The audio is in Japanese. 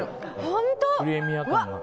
本当。